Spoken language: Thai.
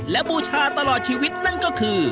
และบูชาตลอดชีวิตนั่นก็คือ